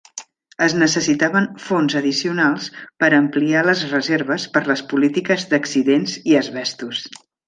Es necessitaven fons addicionals per ampliar les reserves per les polítiques d'accidents i asbestos.